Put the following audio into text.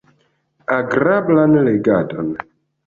Agrablan legadon!